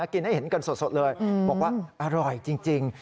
กินให้เห็นกันสดเลยบอกว่าอร่อยจริง